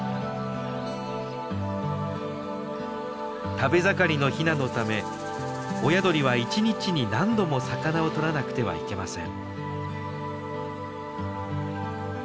食べ盛りのヒナのため親鳥は１日に何度も魚を捕らなくてはいけません。